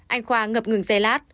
anh khoa ngập ngừng dây lát